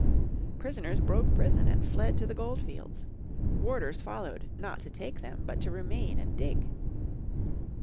Prisoners broke prison and fled to the gold fields. Warders followed, not to take them but to remain and dig.